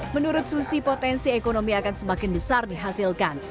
menurut susi potensi ekonomi akan semakin besar dihasilkan